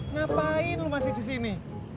ngapain lo masih disini